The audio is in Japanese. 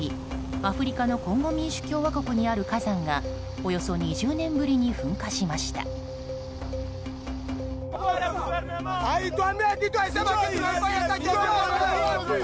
アフリカのコンゴ民主共和国にある火山がおよそ２０年ぶりに噴火しました。